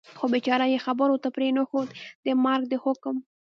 خو بېچاره یې خبرو ته پرېنښود، د مرګ د حکم.